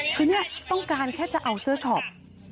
คือเนี่ยต้องการแค่จะเอาเสื้อช็อป